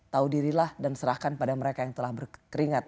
tahu dirilah dan serahkan pada mereka yang telah berkeringat